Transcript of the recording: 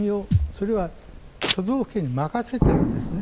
それは都道府県に任せているんですね。